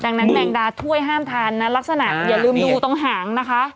ดังนั้นแมงดาถ้วยห้ามทานนะลักษณะอย่าลืมดูตรงหางนะคะ